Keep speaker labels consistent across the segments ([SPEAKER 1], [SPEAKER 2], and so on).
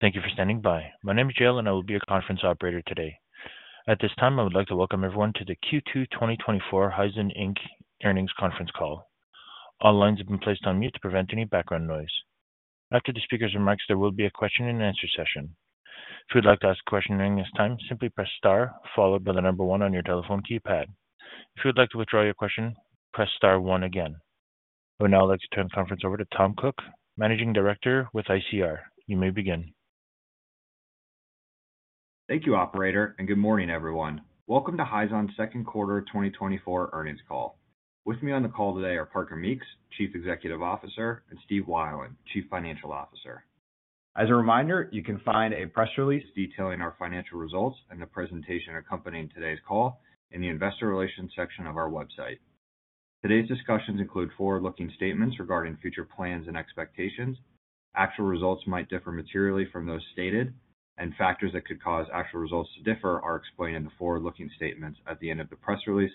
[SPEAKER 1] Thank you for standing by. My name is Jill, and I will be your conference operator today. At this time, I would like to welcome everyone to the Q2 2024 Hyzon Inc. Earnings Conference Call. All lines have been placed on mute to prevent any background noise. After the speaker's remarks, there will be a Q&A session. If you'd like to ask a question during this time, simply press star followed by the number one on your telephone keypad. If you would like to withdraw your question, press star one again. I would now like to turn the conference over to Tom Cook, Managing Director with ICR. You may begin.
[SPEAKER 2] Thank you, operator, and good morning, everyone. Welcome to Hyzon's Q2 2024 earnings call. With me on the call today are Parker Meeks, Chief Executive Officer, and Steve Weiland, Chief Financial Officer. As a reminder, you can find a press release detailing our financial results and the presentation accompanying today's call in the investor relations section of our website. Today's discussions include forward-looking statements regarding future plans and expectations. Actual results might differ materially from those stated, and factors that could cause actual results to differ are explained in the forward-looking statements at the end of the press release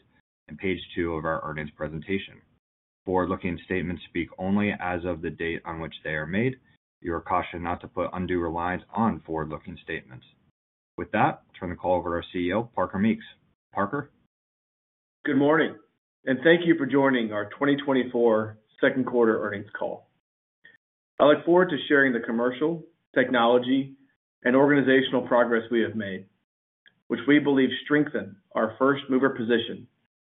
[SPEAKER 2] and page 2 of our earnings presentation. Forward-looking statements speak only as of the date on which they are made. You are cautioned not to put undue reliance on forward-looking statements. With that, I turn the call over to our CEO, Parker Meeks. Parker?
[SPEAKER 3] Good morning, and thank you for joining our 2024 Q2 earnings call. I look forward to sharing the commercial, technology, and organizational progress we have made, which we believe strengthen our first mover position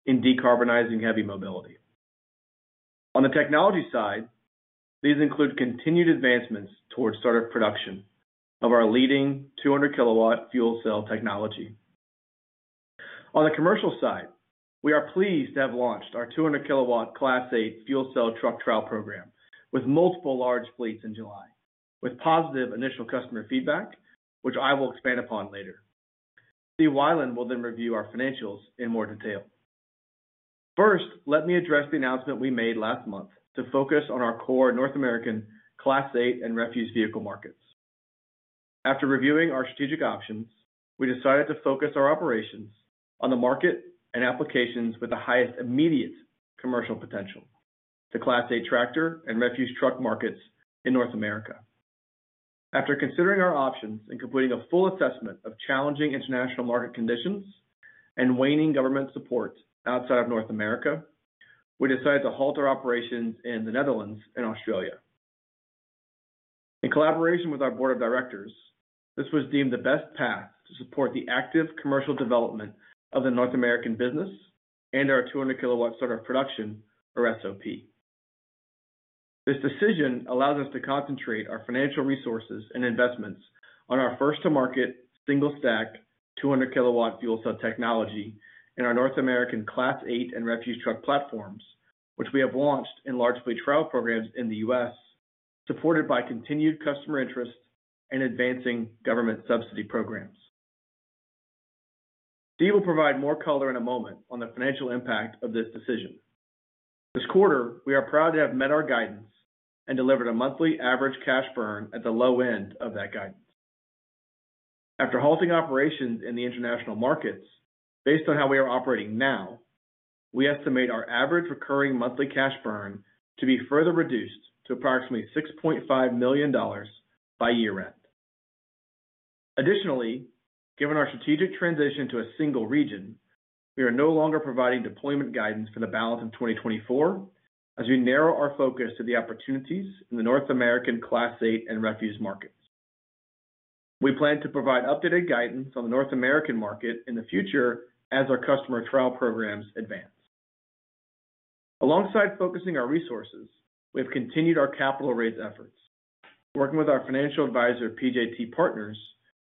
[SPEAKER 3] in decarbonizing heavy mobility. On the technology side, these include continued advancements towards start of production of our leading 200 kW fuel cell technology. On the commercial side, we are pleased to have launched our 200 kW Class 8 fuel cell truck trial program with multiple large fleets in July, with positive initial customer feedback, which I will expand upon later. Steve Weiland will then review our financials in more detail. First, let me address the announcement we made last month to focus on our core North American Class 8 and refuse vehicle markets. After reviewing our strategic options, we decided to focus our operations on the market and applications with the highest immediate commercial potential, the Class 8 tractor and refuse truck markets in North America. After considering our options and completing a full assessment of challenging international market conditions and waning government support outside of North America, we decided to halt our operations in the Netherlands and Australia. In collaboration with our board of directors, this was deemed the best path to support the active commercial development of the North American business and our 200 kW start of production, or SOP. This decision allows us to concentrate our financial resources and investments on our first-to-market single-stack, 200 kW fuel cell technology in our North American Class 8 and refuse truck platforms, which we have launched in large fleet trial programs in the U.S., supported by continued customer interest and advancing government subsidy programs. Steve will provide more color in a moment on the financial impact of this decision. This quarter, we are proud to have met our guidance and delivered a monthly average cash burn at the low end of that guidance. After halting operations in the international markets, based on how we are operating now, we estimate our average recurring monthly cash burn to be further reduced to approximately $6.5 million by year-end. Additionally, given our strategic transition to a single region, we are no longer providing deployment guidance for the balance of 2024 as we narrow our focus to the opportunities in the North American Class 8 and refuse markets. We plan to provide updated guidance on the North American market in the future as our customer trial programs advance. Alongside focusing our resources, we have continued our capital raise efforts, working with our financial advisor, PJT Partners,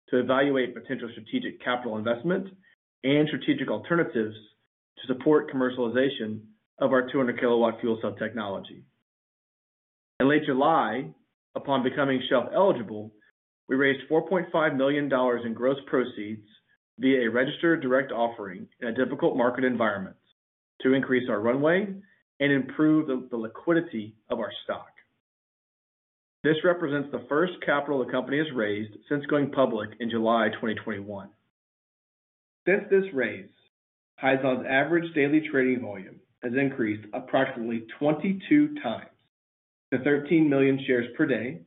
[SPEAKER 3] to evaluate potential strategic capital investment and strategic alternatives to support commercialization of our 200 kW fuel cell technology. In late July, upon becoming shelf eligible, we raised $4.5 million in gross proceeds via a registered direct offering in a difficult market environment to increase our runway and improve the liquidity of our stock. This represents the first capital the company has raised since going public in July 2021. Since this raise, Hyzon's average daily trading volume has increased approximately 22x to 13 million shares per day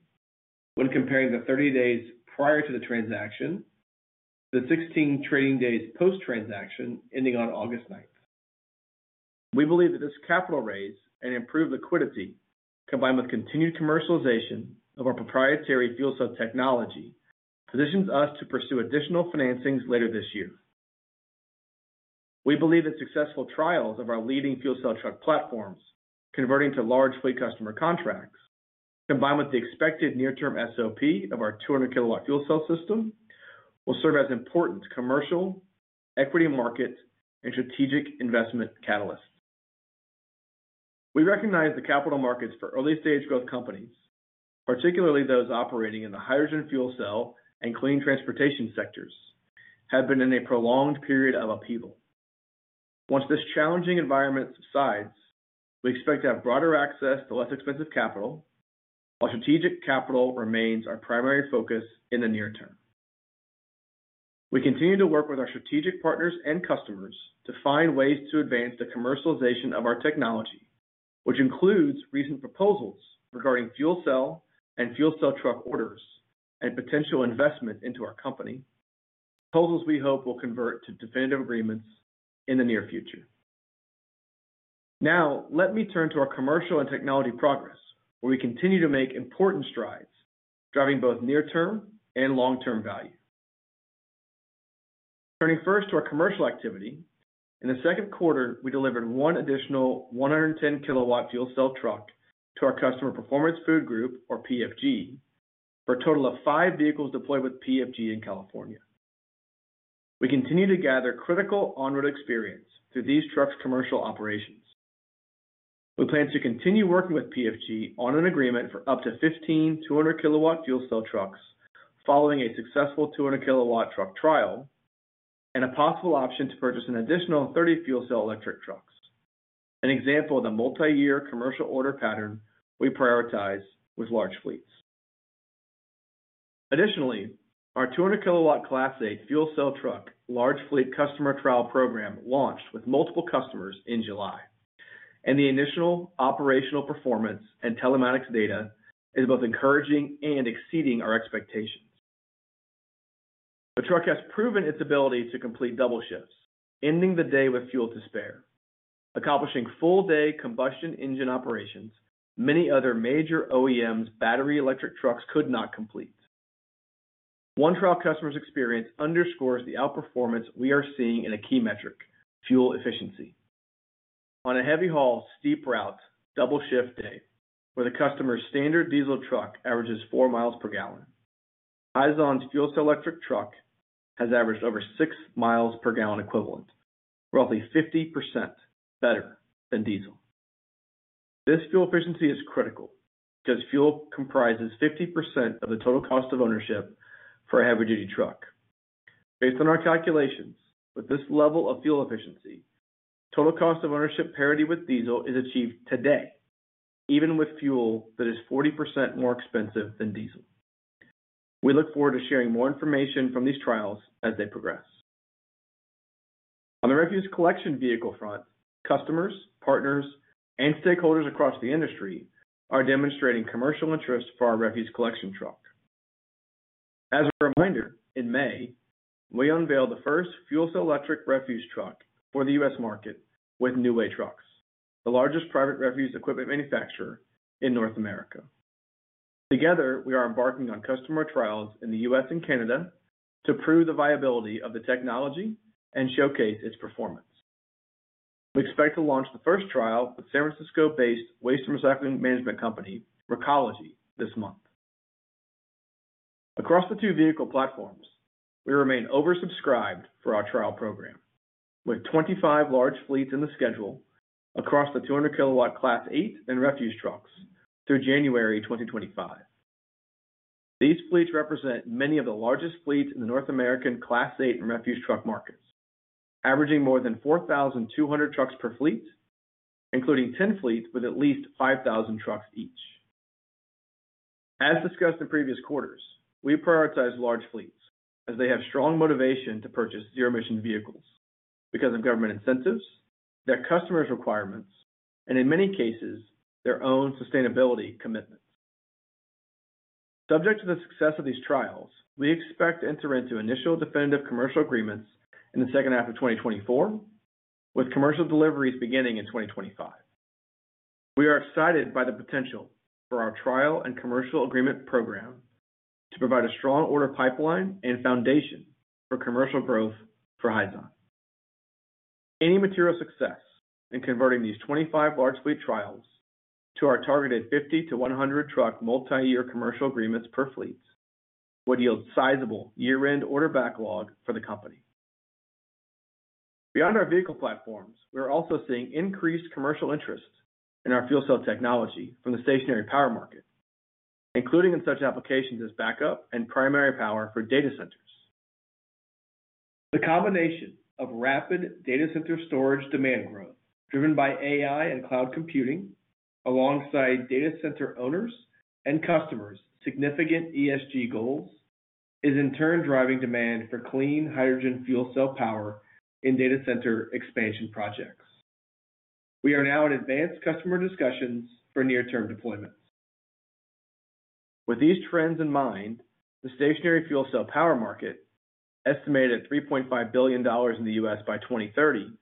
[SPEAKER 3] when comparing the 30 days prior to the transaction to the 16 trading days post-transaction ending on August 9th. We believe that this capital raise and improved liquidity, combined with continued commercialization of our proprietary fuel cell technology, positions us to pursue additional financings later this year. We believe that successful trials of our leading fuel cell truck platforms converting to large fleet customer contracts, combined with the expected near-term SOP of our 200 kW fuel cell system, will serve as important commercial, equity market, and strategic investment catalysts. We recognize the capital markets for early-stage growth companies, particularly those operating in the hydrogen fuel cell and clean transportation sectors, have been in a prolonged period of upheaval. Once this challenging environment subsides, we expect to have broader access to less expensive capital, while strategic capital remains our primary focus in the near term... We continue to work with our strategic partners and customers to find ways to advance the commercialization of our technology, which includes recent proposals regarding fuel cell and fuel cell truck orders, and potential investment into our company, proposals we hope will convert to definitive agreements in the near future. Now, let me turn to our commercial and technology progress, where we continue to make important strides, driving both near-term and long-term value. Turning first to our commercial activity, in the Q2, we delivered 1 additional 110 kilowatt fuel cell truck to our customer, Performance Food Group, or PFG, for a total of 5 vehicles deployed with PFG in California. We continue to gather critical on-road experience through these trucks' commercial operations. We plan to continue working with PFG on an agreement for up to 15 200 kilowatt fuel cell trucks, following a successful 200 kilowatt truck trial, and a possible option to purchase an additional 30 fuel cell electric trucks, an example of the multiyear commercial order pattern we prioritize with large fleets. Additionally, our 200 kilowatt Class 8 fuel cell truck large fleet customer trial program launched with multiple customers in July, and the initial operational performance and telematics data is both encouraging and exceeding our expectations. The truck has proven its ability to complete double shifts, ending the day with fuel to spare, accomplishing full-day combustion engine operations many other major OEMs battery electric trucks could not complete. One trial customer's experience underscores the outperformance we are seeing in a key metric: fuel efficiency. On a heavy-haul, steep route, double shift day, where the customer's standard diesel truck averages 4 miles per gallon, Hyzon's fuel cell electric truck has averaged over 6 miles per gallon equivalent, roughly 50% better than diesel. This fuel efficiency is critical because fuel comprises 50% of the total cost of ownership for a heavy-duty truck. Based on our calculations, with this level of fuel efficiency, total cost of ownership parity with diesel is achieved today, even with fuel that is 40% more expensive than diesel. We look forward to sharing more information from these trials as they progress. On the refuse collection vehicle front, customers, partners, and stakeholders across the industry are demonstrating commercial interest for our refuse collection truck. As a reminder, in May, we unveiled the first fuel cell electric refuse truck for the U.S. market with New Way Trucks, the largest private refuse equipment manufacturer in North America. Together, we are embarking on customer trials in the U.S. and Canada to prove the viability of the technology and showcase its performance. We expect to launch the first trial with San Francisco-based waste and recycling management company, Recology, this month. Across the two vehicle platforms, we remain oversubscribed for our trial program, with 25 large fleets in the schedule across the 200 kW Class 8 and refuse trucks through January 2025. These fleets represent many of the largest fleets in the North American Class 8 and refuse truck markets, averaging more than 4,200 trucks per fleet, including 10 fleets with at least 5,000 trucks each. As discussed in previous quarters, we prioritize large fleets, as they have strong motivation to purchase zero-emission vehicles because of government incentives, their customers' requirements, and in many cases, their own sustainability commitments. Subject to the success of these trials, we expect to enter into initial definitive commercial agreements in the second half of 2024, with commercial deliveries beginning in 2025. We are excited by the potential for our trial and commercial agreement program to provide a strong order pipeline and foundation for commercial growth for Hyzon. Any material success in converting these 25 large fleet trials to our targeted 50-100 truck multi-year commercial agreements per fleet would yield sizable year-end order backlog for the company. Beyond our vehicle platforms, we are also seeing increased commercial interest in our fuel cell technology from the stationary power market, including in such applications as backup and primary power for data centers. The combination of rapid data center storage demand growth, driven by AI and cloud computing, alongside data center owners' and customers' significant ESG goals, is in turn driving demand for clean hydrogen fuel cell power in data center expansion projects. We are now in advanced customer discussions for near-term deployments. With these trends in mind, the stationary fuel cell power market, estimated at $3.5 billion in the U.S. by 2030,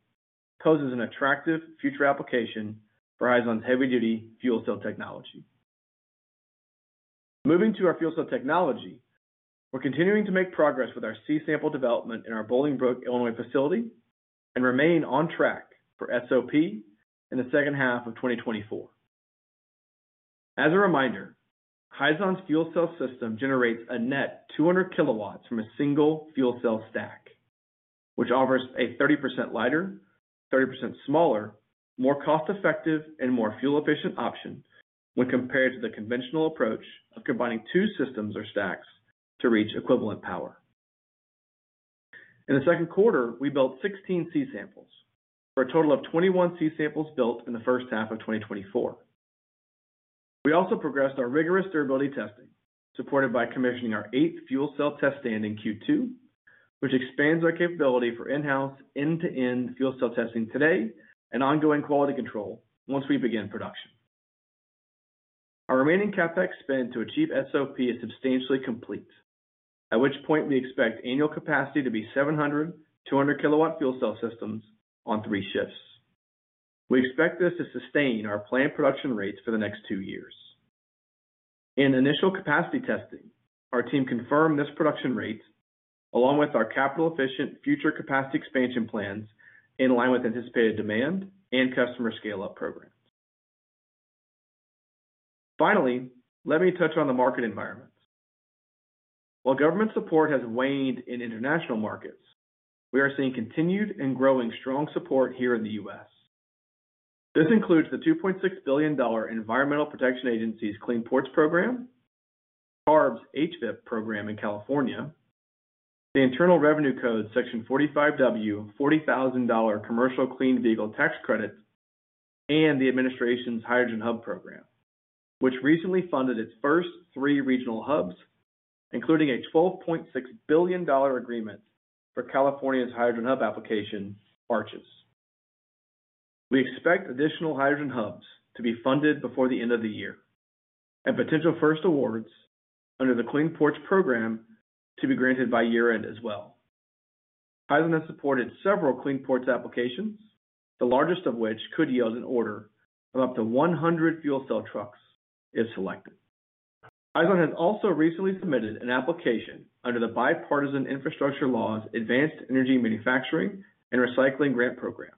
[SPEAKER 3] poses an attractive future application for Hyzon's heavy-duty fuel cell technology. Moving to our fuel cell technology, we're continuing to make progress with our C-sample development in our Bolingbrook, Illinois, facility and remain on track for SOP in the second half of 2024. As a reminder, Hyzon's fuel cell system generates a net 200 kW from a single fuel cell stack, which offers a 30% lighter, 30% smaller, more cost-effective, and more fuel-efficient option when compared to the conventional approach of combining two systems or stacks to reach equivalent power. In the Q2, we built 16 C-samples, for a total of 21 C-samples built in the first half of 2024. We also progressed our rigorous durability testing, supported by commissioning our 8th fuel cell test stand in Q2, which expands our capability for in-house, end-to-end fuel cell testing today and ongoing quality control once we begin production. Our remaining CapEx spend to achieve SOP is substantially complete, at which point we expect annual capacity to be 700 200kW fuel cell systems on three shifts. We expect this to sustain our planned production rates for the next two years. In initial capacity testing, our team confirmed this production rate, along with our capital efficient future capacity expansion plans in line with anticipated demand and customer scale-up programs. Finally, let me touch on the market environment. While government support has waned in international markets, we are seeing continued and growing strong support here in the U.S. This includes the $2.6 billion Environmental Protection Agency's Clean Ports program, CARB's HVIP program in California, the Internal Revenue Code, Section 45W, 40,000 commercial clean vehicle tax credits, and the administration's Hydrogen Hub program, which recently funded its first three regional hubs, including a $12.6 billion agreement for California's Hydrogen Hub application, ARCHES. We expect additional hydrogen hubs to be funded before the end of the year, and potential first awards under the Clean Ports program to be granted by year-end as well. Hyzon has supported several Clean Ports applications, the largest of which could yield an order of up to 100 fuel cell trucks if selected. Hyzon has also recently submitted an application under the Bipartisan Infrastructure Law's Advanced Energy Manufacturing and Recycling Grant program.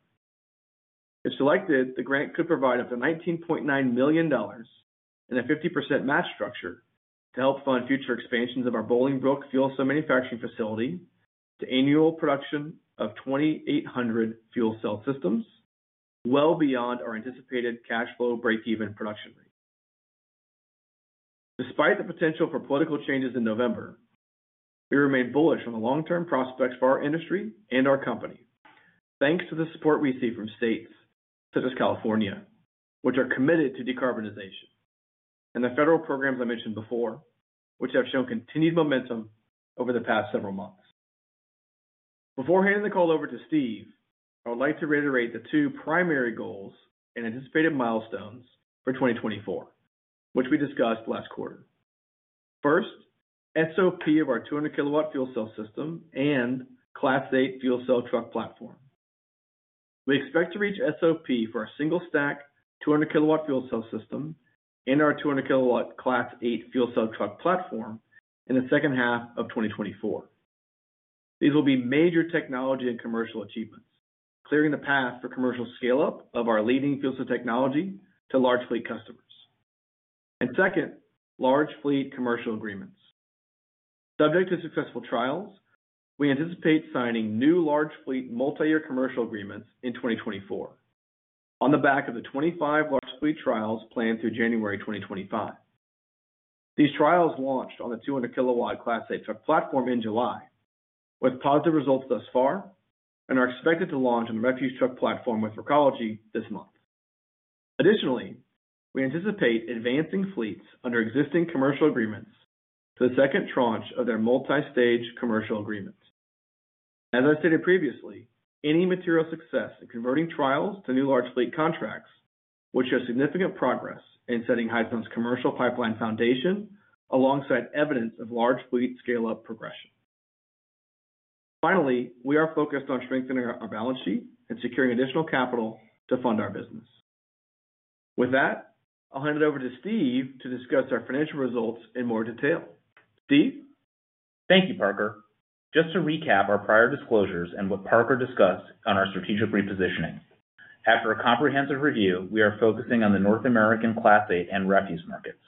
[SPEAKER 3] If selected, the grant could provide up to $19.9 million and a 50% match structure to help fund future expansions of our Bolingbrook fuel cell manufacturing facility to annual production of 2,800 fuel cell systems, well beyond our anticipated cash flow breakeven production rate. Despite the potential for political changes in November, we remain bullish on the long-term prospects for our industry and our company, thanks to the support we see from states such as California, which are committed to decarbonization, and the federal programs I mentioned before, which have shown continued momentum over the past several months. Before handing the call over to Steve, I would like to reiterate the two primary goals and anticipated milestones for 2024, which we discussed last quarter. First, SOP of our 200 kW fuel cell system and Class 8 fuel cell truck platform. We expect to reach SOP for our single-stack 200 kW fuel cell system and our 200 kW Class 8 fuel cell truck platform in the second half of 2024. These will be major technology and commercial achievements, clearing the path for commercial scale-up of our leading fuel cell technology to large fleet customers. And second, large fleet commercial agreements. Subject to successful trials, we anticipate signing new large fleet multi-year commercial agreements in 2024 on the back of the 25 large fleet trials planned through January 2025. These trials launched on the 200 kW Class 8 truck platform in July, with positive results thus far, and are expected to launch on the refuse truck platform with Recology this month. Additionally, we anticipate advancing fleets under existing commercial agreements to the second tranche of their multi-stage commercial agreements. As I stated previously, any material success in converting trials to new large fleet contracts will show significant progress in setting Hyzon's commercial pipeline foundation, alongside evidence of large fleet scale-up progression. Finally, we are focused on strengthening our balance sheet and securing additional capital to fund our business. With that, I'll hand it over to Steve to discuss our financial results in more detail. Steve?
[SPEAKER 4] Thank you, Parker. Just to recap our prior disclosures and what Parker discussed on our strategic repositioning, after a comprehensive review, we are focusing on the North American Class 8 and refuse markets.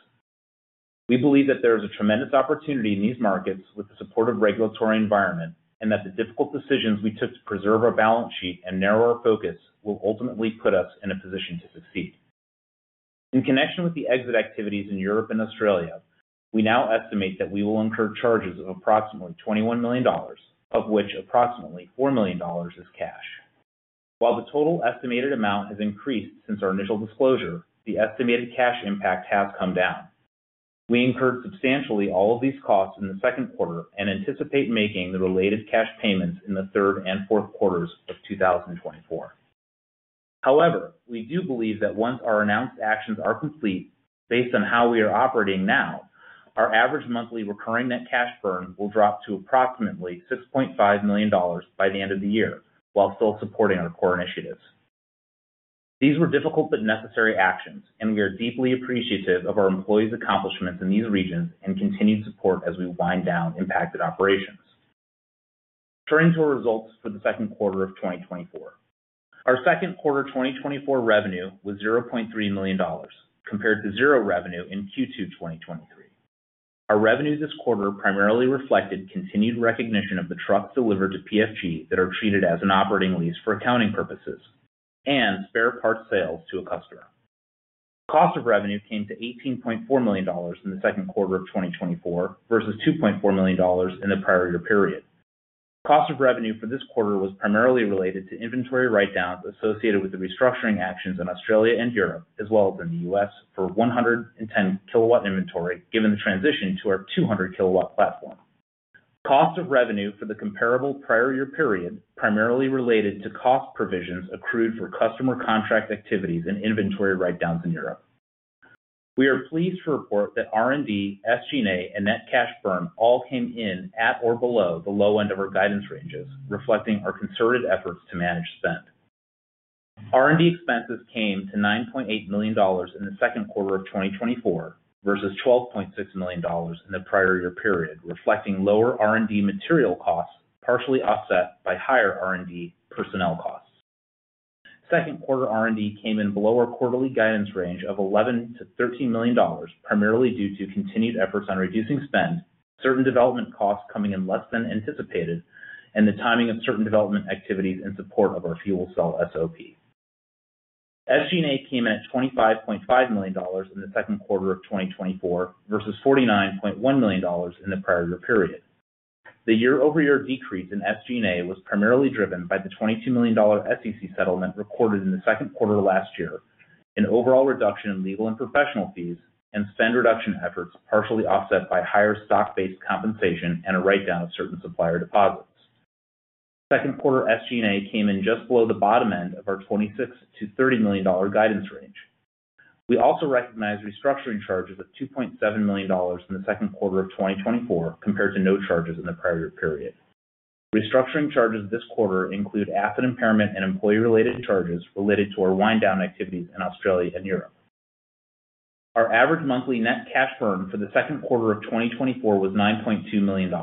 [SPEAKER 4] We believe that there is a tremendous opportunity in these markets with the support of regulatory environment, and that the difficult decisions we took to preserve our balance sheet and narrow our focus will ultimately put us in a position to succeed. In connection with the exit activities in Europe and Australia, we now estimate that we will incur charges of approximately $21 million, of which approximately $4 million is cash. While the total estimated amount has increased since our initial disclosure, the estimated cash impact has come down. We incurred substantially all of these costs in the Q2 and anticipate making the related cash payments in the third and Q4s of 2024. However, we do believe that once our announced actions are complete, based on how we are operating now, our average monthly recurring net cash burn will drop to approximately $6.5 million by the end of the year, while still supporting our core initiatives. These were difficult but necessary actions, and we are deeply appreciative of our employees' accomplishments in these regions and continued support as we wind down impacted operations. Turning to our results for the Q2 of 2024. Our Q2 2024 revenue was $0.3 million, compared to zero revenue in Q2 2023. Our revenue this quarter primarily reflected continued recognition of the trucks delivered to PFG that are treated as an operating lease for accounting purposes and spare parts sales to a customer. Cost of revenue came to $18.4 million in the Q2 of 2024, versus $2.4 million in the prior year period. Cost of revenue for this quarter was primarily related to inventory write-downs associated with the restructuring actions in Australia and Europe, as well as in the U.S. for 110 kW inventory, given the transition to our 200 kW platform. Cost of revenue for the comparable prior year period, primarily related to cost provisions accrued for customer contract activities and inventory write-downs in Europe. We are pleased to report that R&D, SG&A, and net cash burn all came in at or below the low end of our guidance ranges, reflecting our concerted efforts to manage spend. R&D expenses came to $9.8 million in the Q2 of 2024, versus $12.6 million in the prior year period, reflecting lower R&D material costs, partially offset by higher R&D personnel costs. Q2 R&D came in below our quarterly guidance range of $11 million-$13 million, primarily due to continued efforts on reducing spend, certain development costs coming in less than anticipated, and the timing of certain development activities in support of our fuel cell SOP. SG&A came in at $25.5 million in the Q2 of 2024, versus $49.1 million in the prior year period. The year-over-year decrease in SG&A was primarily driven by the $22 million SEC settlement recorded in the Q2 last year, an overall reduction in legal and professional fees, and spend reduction efforts, partially offset by higher stock-based compensation and a write-down of certain supplier deposits. Q2 SG&A came in just below the bottom end of our $26 million-$30 million guidance range. We also recognized restructuring charges of $2.7 million in the Q2 of 2024, compared to no charges in the prior year period. Restructuring charges this quarter include asset impairment and employee-related charges related to our wind down activities in Australia and Europe. Our average monthly net cash burn for the Q2 of 2024 was $9.2 million,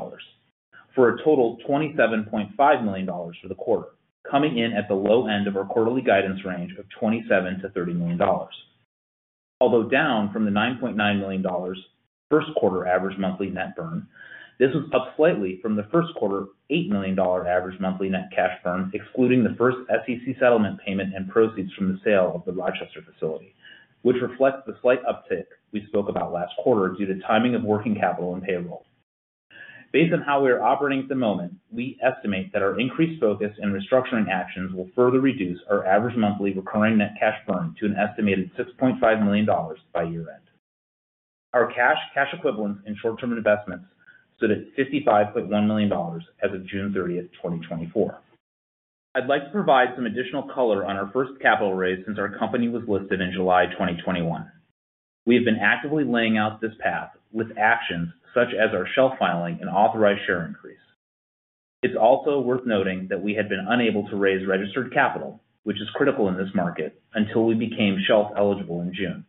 [SPEAKER 4] for a total of $27.5 million for the quarter, coming in at the low end of our quarterly guidance range of $27 million-$30 million. Although down from the $9.9 million Q1 average monthly net burn, this was up slightly from the Q1 $8 million average monthly net cash burn, excluding the first SEC settlement payment and proceeds from the sale of the Rochester facility, which reflects the slight uptick we spoke about last quarter due to timing of working capital and payroll. Based on how we are operating at the moment, we estimate that our increased focus and restructuring actions will further reduce our average monthly recurring net cash burn to an estimated $6.5 million by year-end. Our cash, cash equivalents, and short-term investments stood at $55.1 million as of June 30, 2024. I'd like to provide some additional color on our first capital raise since our company was listed in July 2021. We have been actively laying out this path with actions such as our shelf filing and authorized share increase. It's also worth noting that we had been unable to raise registered capital, which is critical in this market, until we became shelf eligible in June.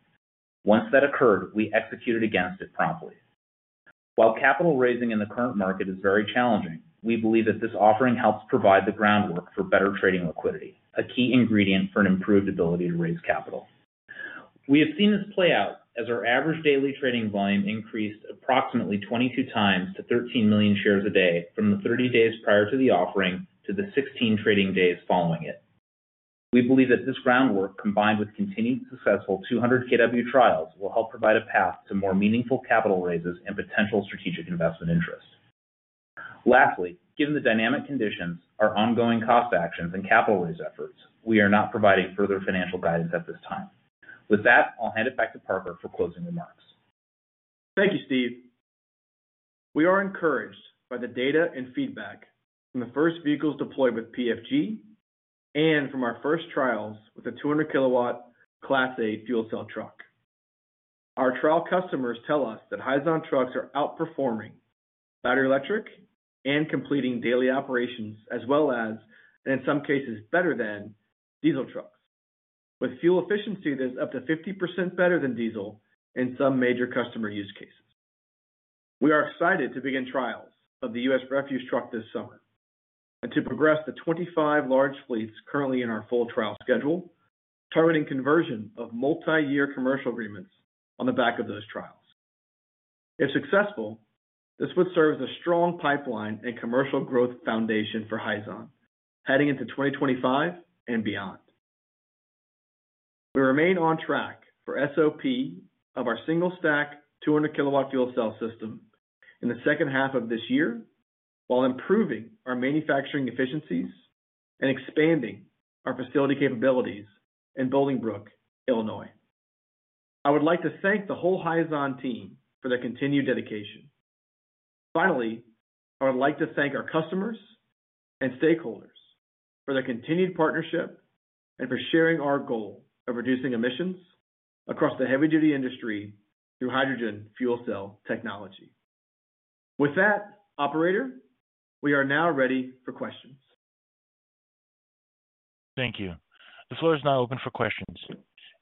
[SPEAKER 4] Once that occurred, we executed against it promptly. While capital raising in the current market is very challenging, we believe that this offering helps provide the groundwork for better trading liquidity, a key ingredient for an improved ability to raise capital. We have seen this play out as our average daily trading volume increased approximately 22x to 13 million shares a day from the 30 days prior to the offering to the 16 trading days following it. We believe that this groundwork, combined with continued successful 200 kW trials, will help provide a path to more meaningful capital raises and potential strategic investment interests. Lastly, given the dynamic conditions, our ongoing cost actions and capital raise efforts, we are not providing further financial guidance at this time. With that, I'll hand it back to Parker for closing remarks.
[SPEAKER 3] Thank you, Steve. We are encouraged by the data and feedback from the first vehicles deployed with PFG and from our first trials with the 200 kW Class 8 fuel cell truck. Our trial customers tell us that Hyzon trucks are outperforming battery electric and completing daily operations, as well as, in some cases, better than diesel trucks, with fuel efficiency that's up to 50% better than diesel in some major customer use cases. We are excited to begin trials of the U.S. refuse truck this summer and to progress the 25 large fleets currently in our full trial schedule, targeting conversion of multiyear commercial agreements on the back of those trials. If successful, this would serve as a strong pipeline and commercial growth foundation for Hyzon heading into 2025 and beyond. We remain on track for SOP of our single-stack, 200 kW fuel cell system in the second half of this year, while improving our manufacturing efficiencies and expanding our facility capabilities in Bolingbrook, Illinois. I would like to thank the whole Hyzon team for their continued dedication. Finally, I would like to thank our customers and stakeholders for their continued partnership and for sharing our goal of reducing emissions across the heavy-duty industry through hydrogen fuel cell technology. With that, operator, we are now ready for questions.
[SPEAKER 1] Thank you. The floor is now open for questions.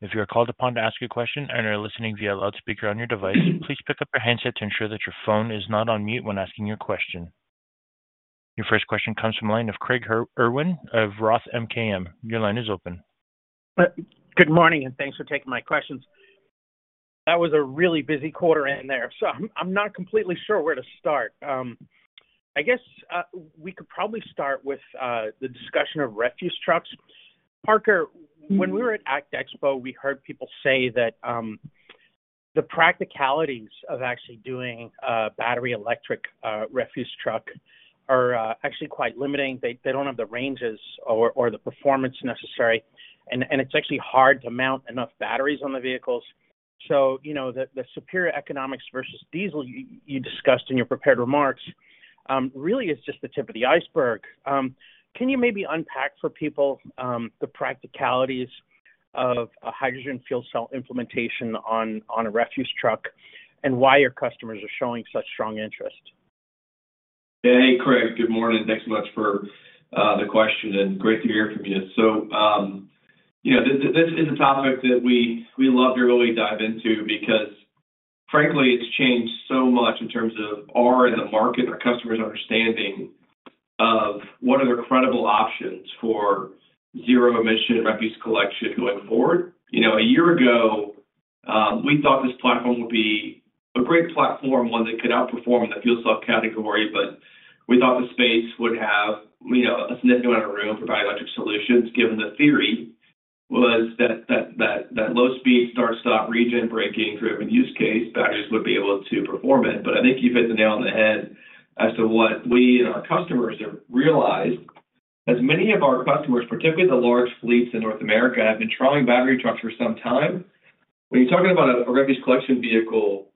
[SPEAKER 1] If you are called upon to ask a question and are listening via loudspeaker on your device, please pick up your handset to ensure that your phone is not on mute when asking your question. Your first question comes from the line of Craig Irwin of Roth MKM. Your line is open.
[SPEAKER 5] Good morning, and thanks for taking my questions. That was a really busy quarter in there, so I'm not completely sure where to start. I guess we could probably start with the discussion of refuse trucks. Parker, when we were at ACT Expo, we heard people say that the practicalities of actually doing a battery electric refuse truck are actually quite limiting. They don't have the ranges or the performance necessary, and it's actually hard to mount enough batteries on the vehicles. So, you know, the superior economics versus diesel you discussed in your prepared remarks really is just the tip of the iceberg. Can you maybe unpack for people the practicalities of a hydrogen fuel cell implementation on a refuse truck and why your customers are showing such strong interest?
[SPEAKER 3] Hey, Craig. Good morning. Thanks so much for the question, and great to hear from you. So, you know, this is a topic that we love to really dive into because, frankly, it's changed so much in terms of our and the market, our customers' understanding of what are the credible options for zero-emission refuse collection going forward. You know, a year ago, we thought this platform would be a great platform, one that could outperform in the fuel cell category, but we thought the space would have, you know, a significant amount of room for battery electric solutions, given the theory was that low speed start, stop, regen, braking-driven use case, batteries would be able to perform it. But I think you hit the nail on the head as to what we and our customers have realized, as many of our customers, particularly the large fleets in North America, have been trying battery trucks for some time. When you're talking about a refuse collection vehicle,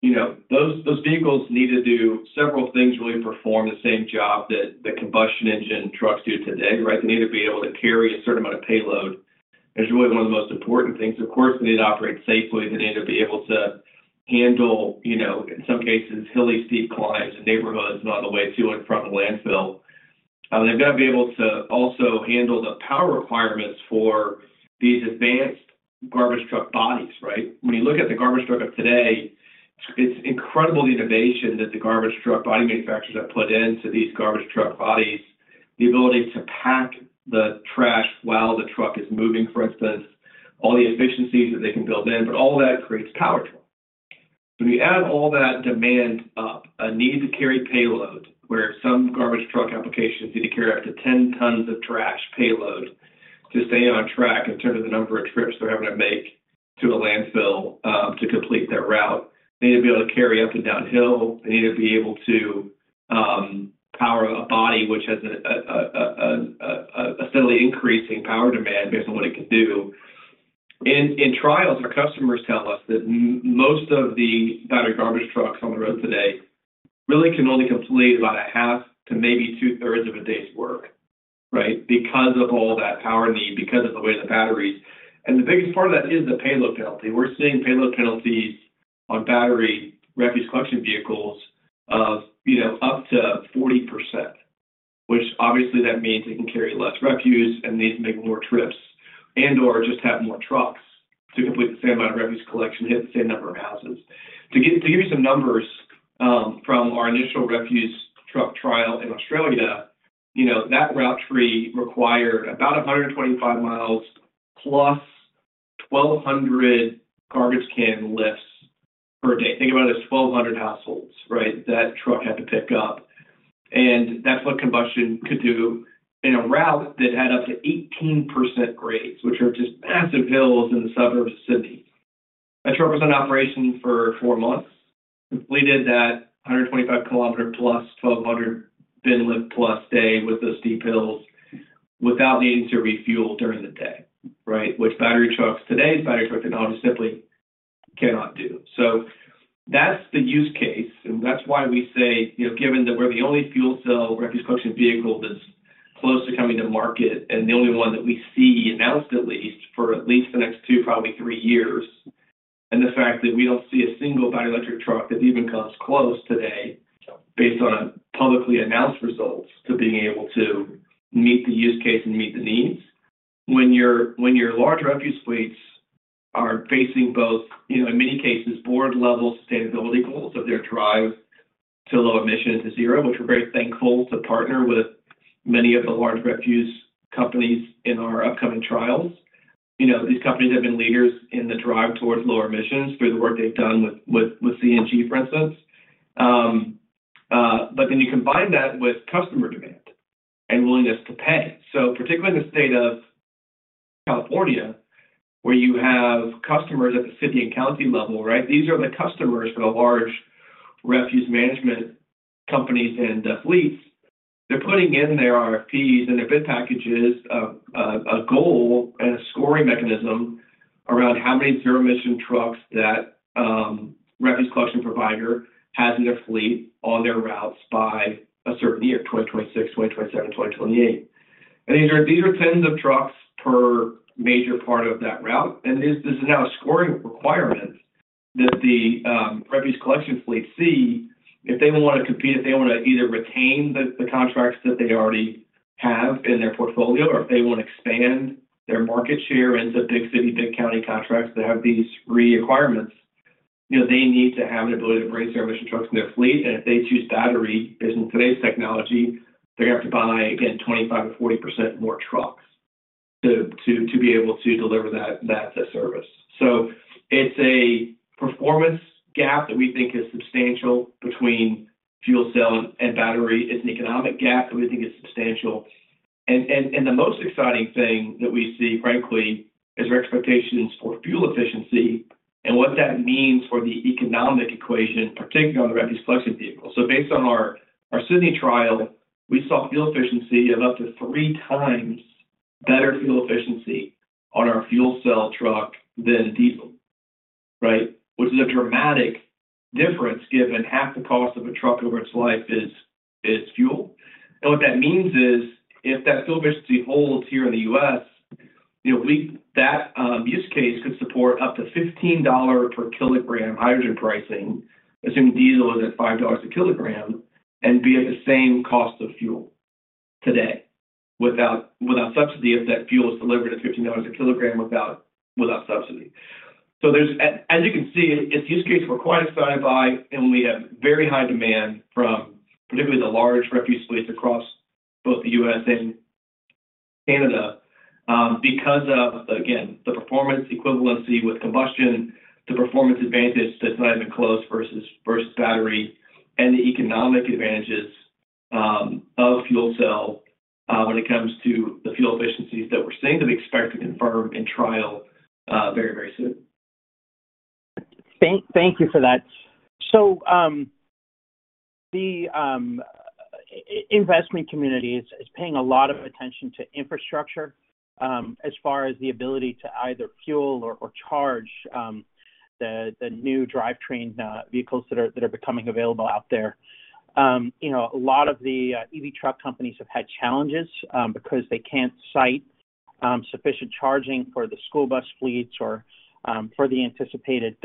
[SPEAKER 3] you know, those vehicles need to do several things to really perform the same job that the combustion engine trucks do today, right? They need to be able to carry a certain amount of payload. That's really one of the most important things. Of course, they need to operate safely. They need to be able to handle, you know, in some cases, hilly, steep climbs in neighborhoods and on the way to and from the landfill. They've got to be able to also handle the power requirements for these advanced garbage truck bodies, right? When you look at the garbage truck of today, it's incredible the innovation that the garbage truck body manufacturers have put into these garbage truck bodies. The ability to pack the trash while the truck is moving, for instance, all the efficiencies that they can build in, but all that creates power draw. When you add all that demand up, a need to carry payload, where some garbage truck applications need to carry up to 10 tons of trash payload to stay on track in terms of the number of trips they're having to make to a landfill, to complete their route. They need to be able to carry up and downhill. They need to be able to power a body which has a steadily increasing power demand based on what it can do. In trials, our customers tell us that most of the battery garbage trucks on the road today really can only complete about a 1/2 to 2/3 of a day's work, right? Because of all that power need, because of the weight of the batteries, and the biggest part of that is the payload penalty. We're seeing payload penalties on battery refuse collection vehicles of, you know, up to 40%, which obviously that means they can carry less refuse and need to make more trips and/or just have more trucks to complete the same amount of refuse collection, hit the same number of houses. To give you some numbers from our initial refuse truck trial in Australia, you know, that route three required about 125 miles plus 1,200 garbage can lifts per day. Think about it as 1,200 households, right, that truck had to pick up, and that's what combustion could do in a route that had up to 18% grades, which are just massive hills in the suburbs of Sydney. That truck was in operation for four months, completed that 125 km plus, 1,200 bin lift plus day with those steep hills without needing to refuel during the day, right? Which battery trucks today and battery truck technology simply cannot do. So that's the use case, and that's why we say, you know, given that we're the only fuel cell refuse collection vehicle that's close to coming to market, and the only one that we see announced at least for at least the next 2, probably 3 years, and the fact that we don't see a single battery electric truck that even comes close today based on publicly announced results to being able to meet the use case and meet the needs. When your, when your large refuse fleets are facing both, you know, in many cases, board-level sustainability goals of their drive to low emission to zero, which we're very thankful to partner with many of the large refuse companies in our upcoming trials. You know, these companies have been leaders in the drive towards lower emissions through the work they've done with, with, with CNG, for instance. But then you combine that with customer demand and willingness to pay. So particularly in the state of California, where you have customers at the city and county level, right? These are the customers for the large refuse management companies and fleets. They're putting in their RFPs and their bid packages, a goal and a scoring mechanism around how many zero-emission trucks that refuse collection provider has in their fleet on their routes by a certain year, 2026, 2027, 2028. These are tens of trucks per major part of that route, and this is now a scoring requirement that the refuse collection fleet see if they want to compete, if they want to either retain the contracts that they already have in their portfolio, or if they want to expand their market share into big city, big county contracts that have these three requirements. You know, they need to have an ability to bring zero-emission trucks in their fleet, and if they choose battery, as in today's technology, they're gonna have to buy, again, 25%-40% more trucks to be able to deliver that service. So it's a performance gap that we think is substantial between fuel cell and battery. It's an economic gap that we think is substantial. And the most exciting thing that we see, frankly, is their expectations for fuel efficiency and what that means for the economic equation, particularly on the refuse collection vehicle. So based on our Sydney trial, we saw fuel efficiency of up to 3x better fuel efficiency on our fuel cell truck than diesel, right? Which is a dramatic difference, given half the cost of a truck over its life is fuel. And what that means is, if that fuel efficiency holds here in the U.S., you know, we, that use case could support up to $15 per kilogram hydrogen pricing, assuming diesel is at $5 a kilogram, and be at the same cost of fuel today, without subsidy, if that fuel is delivered at $15 a kilogram without subsidy. As you can see, it's use case we're quite excited by, and we have very high demand from particularly the large refuse fleets across both the US and Canada, because of, again, the performance equivalency with combustion, the performance advantage that's not even close versus battery, and the economic advantages of fuel cell when it comes to the fuel efficiencies that we're seeing, that we expect to confirm in trial very soon.
[SPEAKER 5] Thank you for that. So, the investment community is paying a lot of attention to infrastructure, as far as the ability to either fuel or charge, the new drivetrain vehicles that are becoming available out there. You know, a lot of the EV truck companies have had challenges, because they can't site sufficient charging for the school bus fleets or for the anticipated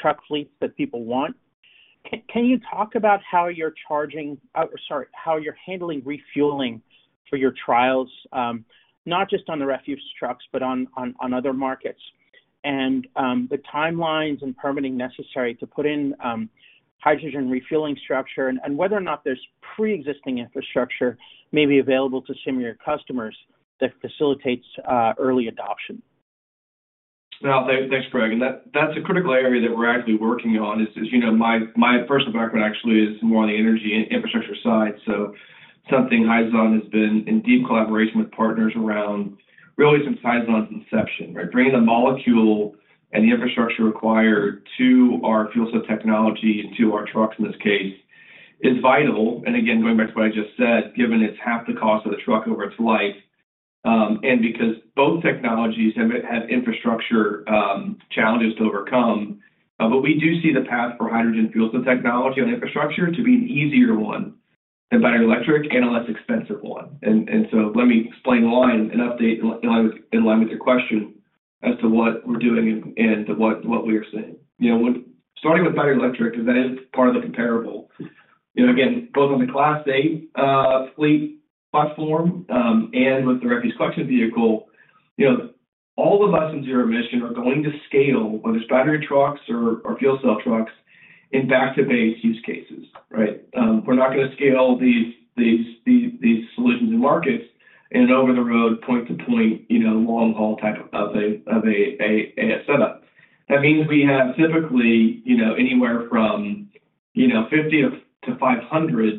[SPEAKER 5] truck fleets that people want. Can you talk about how you're charging—sorry, how you're handling refueling for your trials, not just on the refuse trucks, but on other markets? And, the timelines and permitting necessary to put in, hydrogen refueling infrastructure and whether or not there's pre-existing infrastructure maybe available to some of your customers that facilitates early adoption.
[SPEAKER 3] Well, thanks, Craig. And that, that's a critical area that we're actively working on. As you know, my first background actually is more on the energy and infrastructure side, so something Hyzon has been in deep collaboration with partners around really since Hyzon's inception, right? Bringing the molecule and the infrastructure required to our fuel cell technology, and to our trucks, in this case, is vital. And again, going back to what I just said, given it's half the cost of the truck over its life, and because both technologies have infrastructure challenges to overcome. But we do see the path for hydrogen fuel cell technology and infrastructure to be an easier one than battery electric and a less expensive one. So let me explain why and update, in line with your question, as to what we're doing and what we are seeing. You know, when starting with battery electric, because that is part of the comparable. You know, again, both on the Class 8 fleet platform and with the refuse collection vehicle, you know, all the lessons here emission are going to scale, whether it's battery trucks or fuel cell trucks in back-to-base use cases, right? We're not gonna scale these solutions and markets in an over-the-road, point-to-point, you know, long-haul type of setup. That means we have typically, you know, anywhere from 50 to 500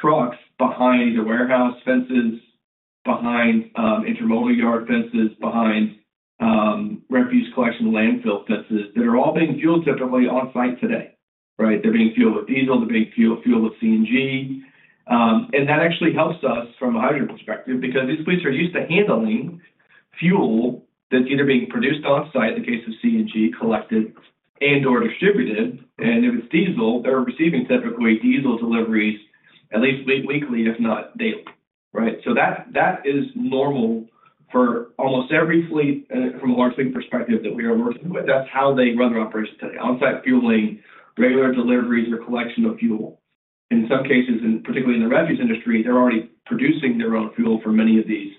[SPEAKER 3] trucks behind the warehouse fences, behind intermodal yard fences, behind refuse collection landfill fences, that are all being fueled differently on-site today, right? They're being fueled with diesel, they're being fueled with CNG. And that actually helps us from a hydrogen perspective, because these fleets are used to handling fuel that's either being produced on-site, in the case of CNG, collected and/or distributed, and if it's diesel, they're receiving separately diesel deliveries at least weekly, if not daily, right? So that is normal for almost every fleet from a large fleet perspective that we are working with. That's how they run their operations today, on-site fueling, regular deliveries or collection of fuel. In some cases, and particularly in the refuse industry, they're already producing their own fuel for many of these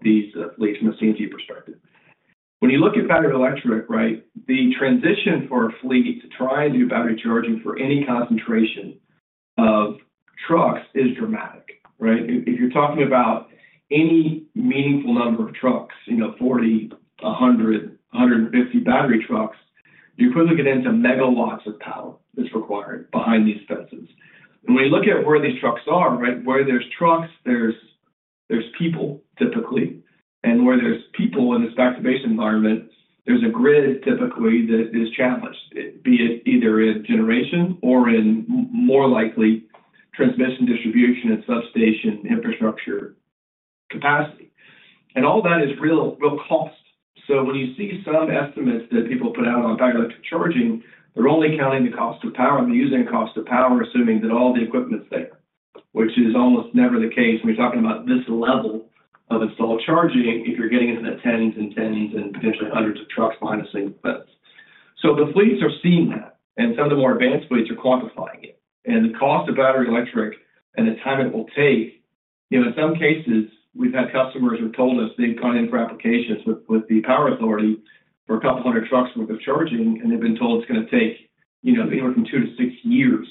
[SPEAKER 3] fleets from a CNG perspective. When you look at battery electric, right, the transition for a fleet to try and do battery charging for any concentration of trucks is dramatic, right? If you're talking about any meaningful number of trucks, you know, 40, 100, 150 battery trucks, you're quickly getting into megawatts of power that's required behind these fences. And when you look at where these trucks are, right, where there's trucks, there's people, typically, and where there's people in this back-to-base environment, there's a grid typically that is challenged, be it either in generation or more likely, transmission, distribution and substation infrastructure capacity. And all that is real, real cost. So when you see some estimates that people put out on battery electric charging, they're only counting the cost of power. They're using cost of power, assuming that all the equipment's there, which is almost never the case when you're talking about this level of installed charging, if you're getting into the tens and tens and potentially hundreds of trucks behind the same fence. So the fleets are seeing that, and some of the more advanced fleets are quantifying it. And the cost of battery electric and the time it will take... You know, in some cases, we've had customers who told us they've gone in for applications with the power authority for a couple hundred trucks worth of charging, and they've been told it's gonna take, you know, anywhere from 2-6 years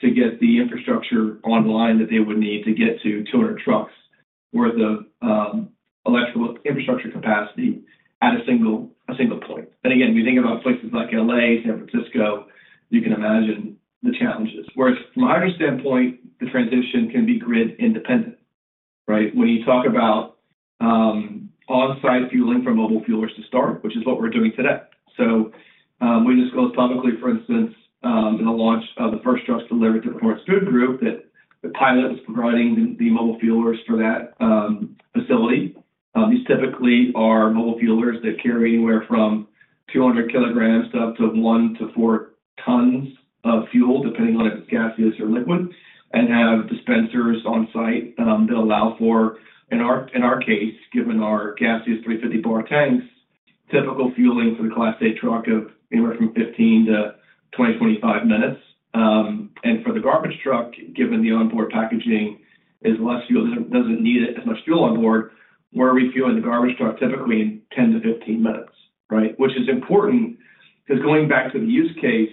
[SPEAKER 3] to get the infrastructure online that they would need to get to 200 trucks worth of electrical infrastructure capacity at a single point. And again, you think about places like L.A., San Francisco. You can imagine the challenges. Whereas from my understanding point, the transition can be grid independent, right? When you talk about on-site fueling from mobile fuelers to start, which is what we're doing today. So we just goes topically, for instance, in the launch of the first truck delivered to Performance Food Group, that the pilot is providing the mobile fuelers for that facility. These typically are mobile fuelers that carry anywhere from 200 kilograms to up to 1 ton-4 tons of fuel, depending on if it's gaseous or liquid, and have dispensers on site that allow for, in our case, given our gaseous 350 bar tanks, typical fueling for the Class 8 truck of anywhere from 15 to 20-25 minutes. And for the garbage truck, given the onboard packaging, is less fuel, doesn't need as much fuel on board. We're refueling the garbage truck typically in 10 minutes-15 minutes, right? Which is important, 'cause going back to the use case,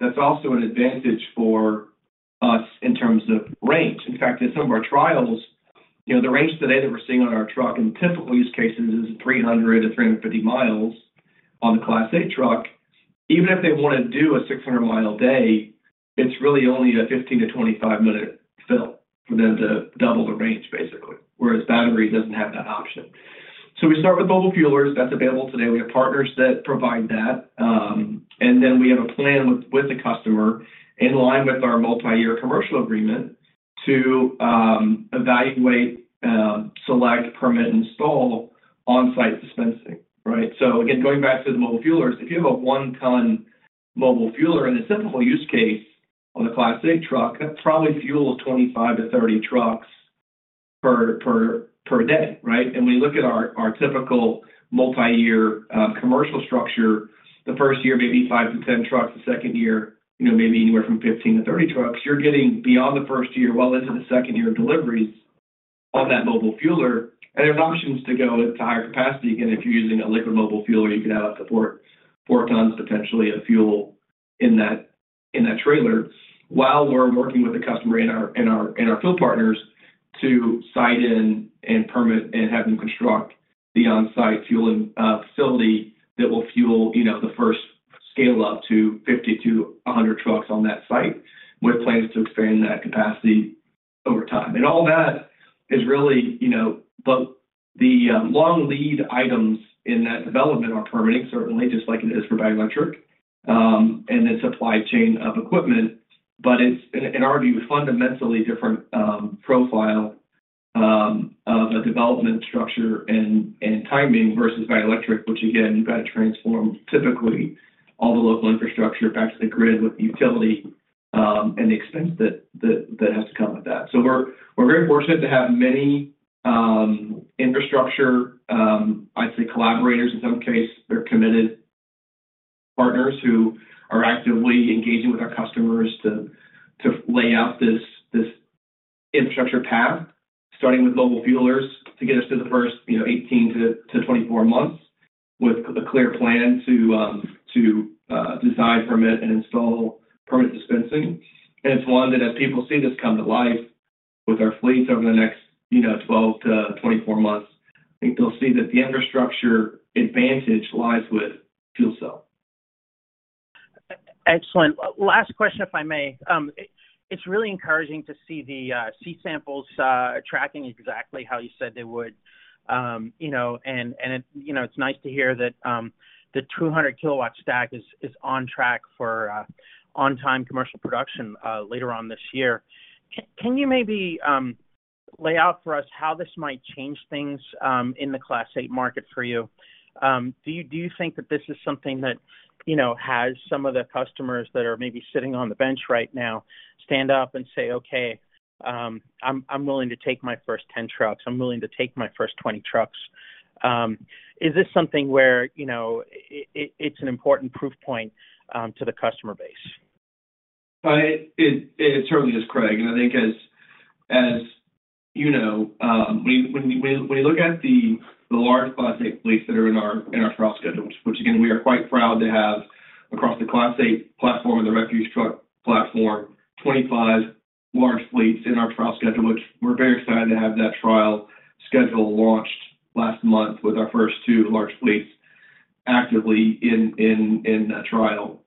[SPEAKER 3] that's also an advantage for us in terms of range. In fact, in some of our trials, you know, the range today that we're seeing on our truck in typical use cases is 300 miles-350 miles on the Class 8 truck. Even if they wanna do a 600-mile day, it's really only a 15-25-minute fill for them to double the range, basically, whereas battery doesn't have that option. So we start with mobile fuelers. That's available today. We have partners that provide that. And then we have a plan with, with the customer in line with our multi-year commercial agreement, to evaluate, select, permit, install on-site dispensing, right? So again, going back to the mobile fuelers, if you have a 1-ton mobile fueler in a typical use case on a Class 8 truck, that's probably fuel of 25-30 trucks per day, right? We look at our typical multi-year commercial structure, the first year, maybe 5-10 trucks, the second year, you know, maybe anywhere from 15-30 trucks. You're getting beyond the first year, well into the second year of deliveries on that mobile fueler. And there's options to go to higher capacity. Again, if you're using a liquid mobile fueler, you could have up to 4 tons, potentially of fuel in that trailer, while we're working with the customer and our field partners to site in and permit and have them construct the on-site fueling facility that will fuel, you know, the first scale-up to 50-100 trucks on that site, with plans to expand that capacity over time. And all that is really, you know, but the long lead items in that development are permitting, certainly, just like it is for battery-electric, and the supply chain of equipment. But it is, in our view, fundamentally different profile of the development structure and timing versus battery-electric, which again, you've got to transform typically all the local infrastructure back to the grid with the utility, and the expense that has to come with that. So we're very fortunate to have many infrastructure, I'd say collaborators. In some cases, they're committed partners who are actively engaging with our customers to lay out this infrastructure path, starting with mobile fuelers, to get us to the first, you know, 18-24 months, with a clear plan to design, permit, and install permanent dispensing. It's one that as people see this come to life with our fleets over the next, you know, 12-24 months, I think they'll see that the infrastructure advantage lies with fuel cell.
[SPEAKER 5] Excellent. Last question, if I may. It's really encouraging to see the C samples tracking exactly how you said they would. You know, it's nice to hear that the 200 kW stack is on track for on-time commercial production later on this year. Can you maybe lay out for us how this might change things in the Class 8 market for you? Do you think that this is something that, you know, has some of the customers that are maybe sitting on the bench right now, stand up and say, "Okay, I'm willing to take my first 10 trucks. I'm willing to take my first 20 trucks." Is this something where, you know, it it's an important proof point to the customer base?
[SPEAKER 3] It certainly is, Craig, and I think as you know, when you look at the large Class 8 fleets that are in our trial schedules, which again, we are quite proud to have across the Class 8 platform and the refuse truck platform, 25 large fleets in our trial schedule. Which we're very excited to have that trial schedule launched last month with our first two large fleets actively in that trial.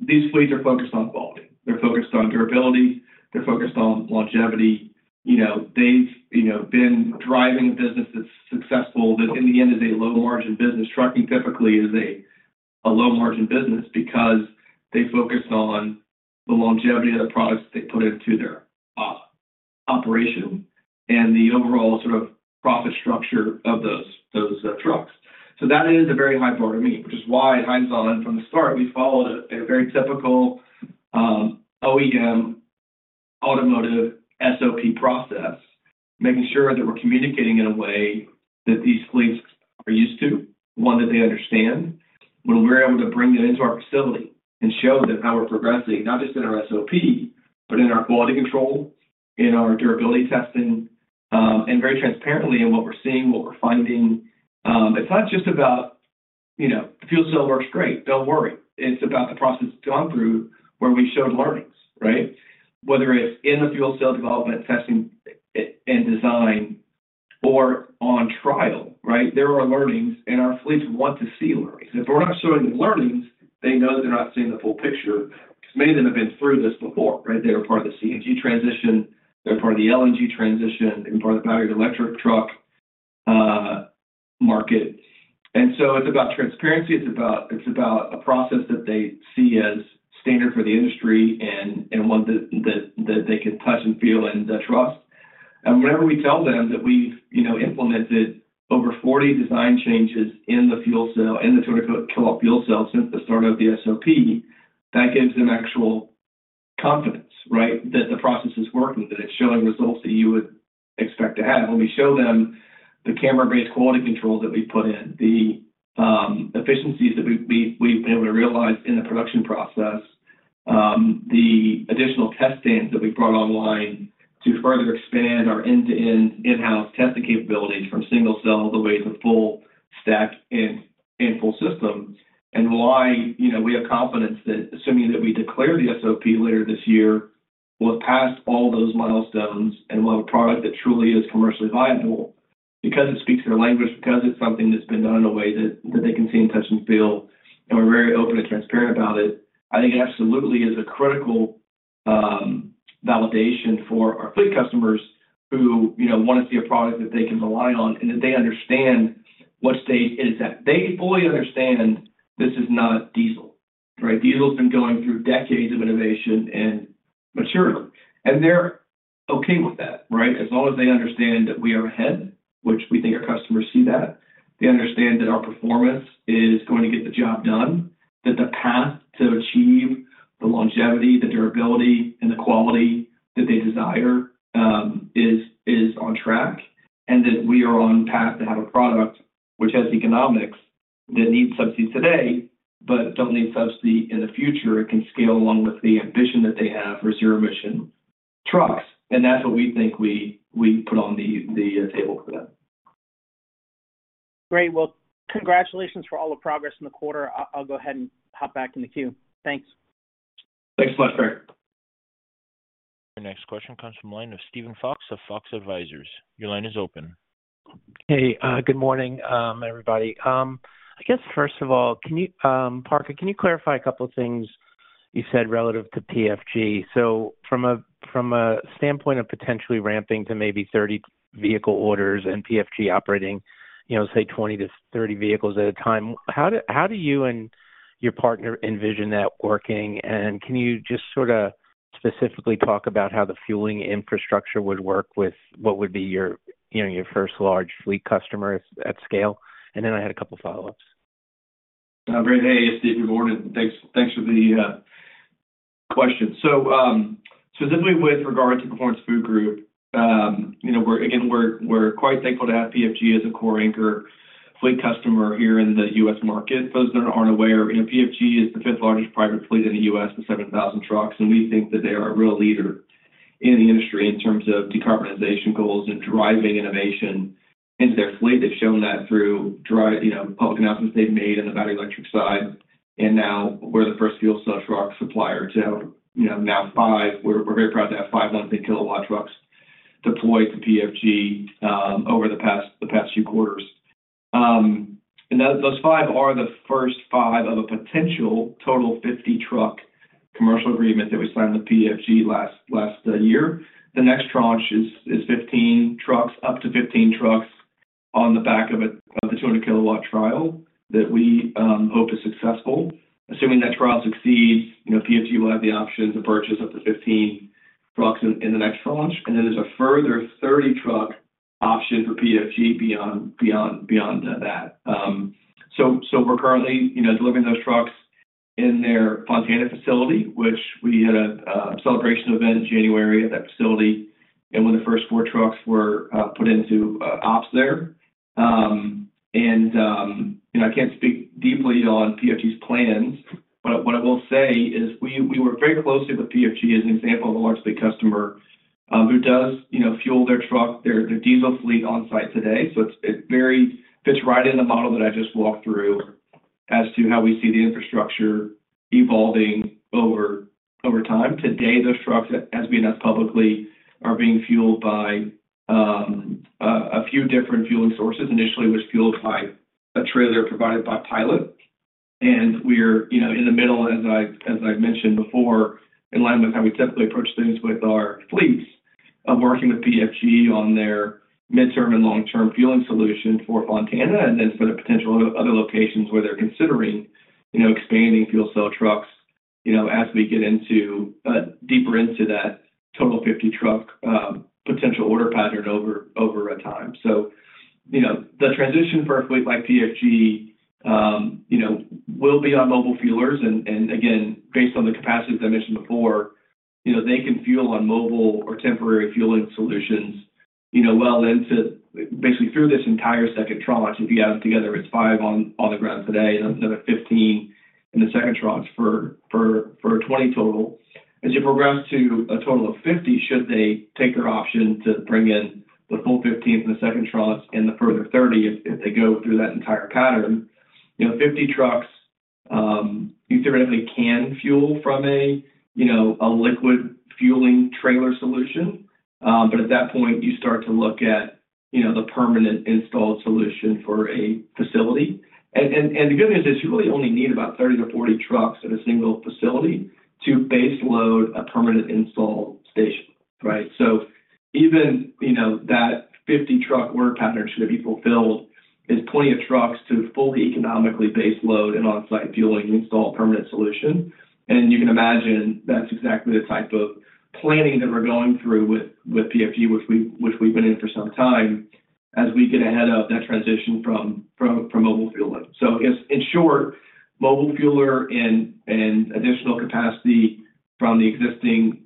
[SPEAKER 3] These fleets are focused on quality, they're focused on durability, they're focused on longevity. You know, they've, you know, been driving a business that's successful, that in the end, is a low margin business. Trucking typically is a low margin business because they focus on the longevity of the products they put into their operation and the overall sort of profit structure of those trucks. So that is a very high bar to meet, which is why at Hyzon and from the start, we followed a very typical OEM automotive SOP process, making sure that we're communicating in a way that these fleets are used to, one that they understand. When we're able to bring that into our facility and show them how we're progressing, not just in our SOP, but in our quality control, in our durability testing, and very transparently in what we're seeing, what we're finding. It's not just about, you know, "The fuel cell works great, don't worry." It's about the process to gone through where we showed learnings, right? Whether it's in the fuel cell development, testing, and design or on trial, right? There are learnings, and our fleets want to see learnings. If we're not showing the learnings, they know they're not seeing the full picture, because many of them have been through this before, right? They were part of the CNG transition, they're part of the LNG transition, and part of the battery electric truck market. And so it's about transparency, it's about a process that they see as standard for the industry and, and one that, that, that they can touch and feel and, trust. And whenever we tell them that we've, you know, implemented over 40 design changes in the fuel cell, in the 200 kilowatt fuel cell since the start of the SOP, that gives them actual confidence, right? That the process is working, that it's showing results that you would expect to have. When we show them the camera-based quality control that we've put in, the efficiencies that we've been able to realize in the production process, the additional test stands that we've brought online to further expand our end-to-end in-house testing capabilities from single cell all the way to full stack and full system. And why, you know, we have confidence that assuming that we declare the SOP later this year, we'll have passed all those milestones and we'll have a product that truly is commercially viable because it speaks their language, because it's something that's been done in a way that they can see and touch and feel, and we're very open and transparent about it. I think it absolutely is a critical validation for our fleet customers who, you know, want to see a product that they can rely on, and that they understand what state it is at. They fully understand this is not diesel, right? Diesel has been going through decades of innovation and maturity, and they're okay with that, right? As long as they understand that we are ahead, which we think our customers see that, they understand that our performance is going to get the job done, that the path to achieve the longevity, the durability, and the quality that they desire, is on track, and that we are on path to have a product which has economics that need subsidy today, but don't need subsidy in the future. It can scale along with the ambition that they have for zero-emission trucks, and that's what we think we put on the table for them.
[SPEAKER 5] Great. Well, congratulations for all the progress in the quarter. I, I'll go ahead and hop back in the queue. Thanks.
[SPEAKER 3] Tha````nks, Parker.
[SPEAKER 1] Your next question comes from the line of Steven Fox of Fox Advisors. Your line is open.
[SPEAKER 6] Hey, good morning, everybody. I guess first of all, Parker, can you clarify a couple of things you said relative to PFG? So from a standpoint of potentially ramping to maybe 30 vehicle orders and PFG operating, you know, say, 20-30 vehicles at a time, how do you and your partner envision that working? And can you just sorta specifically talk about how the fueling infrastructure would work with what would be your, you know, your first large fleet customer at scale? And then I had a couple follow-ups.
[SPEAKER 3] Great day, Steven. Good morning. Thanks, for the question. So, specifically with regard to Performance Food Group, you know, we're—again, we're, we're quite thankful to have PFG as a core anchor fleet customer here in the U.S. market. Those that aren't aware, you know, PFG is the fifth largest private fleet in the U.S. with 7,000 trucks, and we think that they are a real leader in the industry in terms of decarbonization goals and driving innovation into their fleet. They've shown that through drive, you know, public announcements they've made on the battery electric side, and now we're the first fuel cell truck supplier to have, you know, now five... We're, we're very proud to have 500-kilowatt trucks deployed to PFG over the past few quarters. And those five are the first five of a potential total 50-truck commercial agreement that we signed with PFG last year. The next tranche is 15 trucks, up to 15 trucks on the back of a 200 kW trial that we hope is successful. Assuming that trial succeeds, you know, PFG will have the option to purchase up to 15 trucks in the next tranche, and then there's a further 30-truck option for PFG beyond that. So we're currently, you know, delivering those trucks in their Fontana facility, which we had a celebration event in January at that facility, and when the first four trucks were put into ops there. And, you know, I can't speak deeply on PFG's plans, but what I will say is we work very closely with PFG as an example of a large fleet customer, who does, you know, fuel their truck, their, their diesel fleet on site today. So it's, it very fits right in the model that I just walked through as to how we see the infrastructure evolving over time. Today, those trucks, as we announced publicly, are being fueled by a few different fueling sources, initially was fueled by a trailer provided by Pilot. We're, you know, in the middle, as I've mentioned before, in line with how we typically approach things with our fleets of working with PFG on their mid-term and long-term fueling solution for Fontana, and then for the potential other locations where they're considering, you know, expanding fuel cell trucks, you know, as we get into deeper into that total 50 truck potential order pattern over a time. So, you know, the transition for a fleet like PFG, you know, will be on mobile fuelers, and again, based on the capacities I mentioned before, you know, they can fuel on mobile or temporary fueling solutions, you know, well into basically through this entire second tranche. If you add it together, it's 5 on the ground today, and another 15 in the second tranche for 20 total. As you progress to a total of 50, should they take their option to bring in the full 15 in the second tranche and the further 30, if they go through that entire pattern, you know, 50 trucks, you theoretically can fuel from a, you know, a liquid fueling trailer solution. But at that point, you start to look at, you know, the permanent installed solution for a facility. And the good news is you really only need about 30-40 trucks at a single facility to base load a permanent install station, right? So even, you know, that 50 truck work pattern that should be fulfilled is plenty of trucks to fully economically base load an on-site fueling install permanent solution. You can imagine that's exactly the type of planning that we're going through with PFG, which we've been in for some time, as we get ahead of that transition from mobile fueling. So in short, mobile fueler and additional capacity from the existing,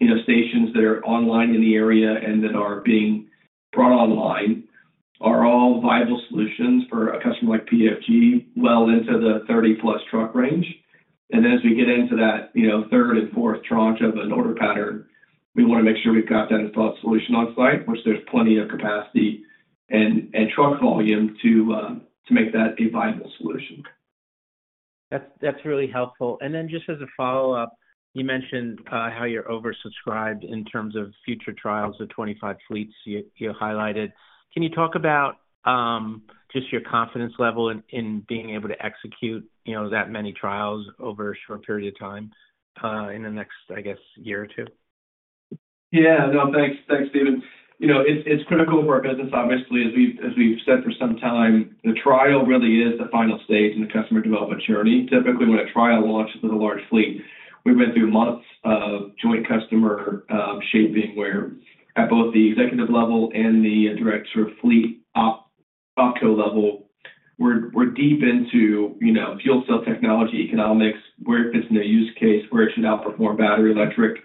[SPEAKER 3] you know, stations that are online in the area and that are being brought online, are all viable solutions for a customer like PFG well into the 30-plus truck range. As we get into that, you know, third and fourth tranche of an order pattern, we wanna make sure we've got that installed solution on site, which there's plenty of capacity and truck volume to make that a viable solution.
[SPEAKER 6] That's, really helpful. And then just as a follow-up, you mentioned how you're oversubscribed in terms of future trials of 25 fleets, you highlighted. Can you talk about just your confidence level in being able to execute, you know, that many trials over a short period of time in the next, I guess, year or two?
[SPEAKER 3] Yeah. No, thanks. Thanks, Steven. You know, it's critical to our business. Obviously, as we've said for some time, the trial really is the final stage in the customer development journey. Typically, when a trial launches with a large fleet, we've been through months of joint customer shaping, where at both the executive level and the direct sort of fleet OpCo level, we're deep into, you know, fuel cell technology, economics, where it fits in a use case, where it should outperform battery electric,